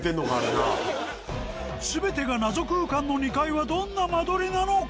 全てが謎空間の２階はどんな間取りなのか？